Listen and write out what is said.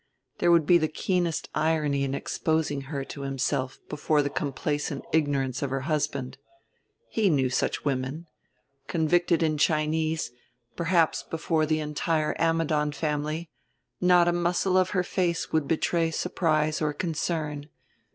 There would be the keenest irony in exposing her to himself before the complacent ignorance of her husband. He knew such women: convicted in Chinese, perhaps before the entire Ammidon family, not a muscle of her face would betray surprise or concern.